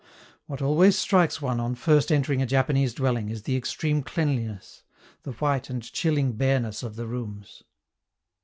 What always strikes one on first entering a Japanese dwelling is the extreme cleanliness, the white and chilling bareness of the rooms.